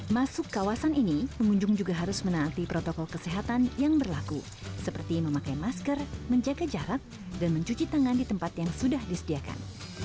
masuk kawasan ini pengunjung juga harus menaati protokol kesehatan yang berlaku seperti memakai masker menjaga jarak dan mencuci tangan di tempat yang sudah disediakan